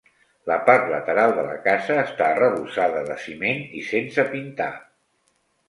La part lateral de la casa està arrebossada de ciment i sense pintar.